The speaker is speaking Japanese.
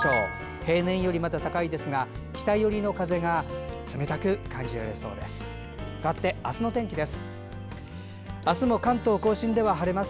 平年より、まだ高いですが北寄りの風が冷たく感じられそうです。